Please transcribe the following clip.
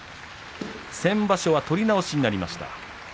先場所は取り直しになりました。